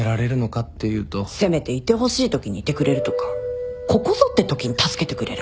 せめていてほしいときにいてくれるとかここぞってときに助けてくれれば。